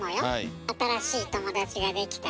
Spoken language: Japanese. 新しい友達ができたり。